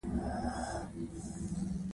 تاسو کولای شئ خپل هېواد بدل کړئ.